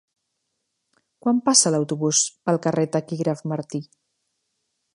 Quan passa l'autobús pel carrer Taquígraf Martí?